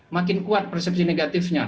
makin kuat persepsi negatifnya